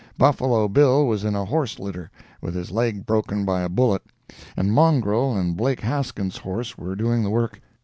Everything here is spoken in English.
Buffalo Bill was in a horse litter, with his leg broken by a bullet, and Mongrel and Blake Haskins's horse were doing the work.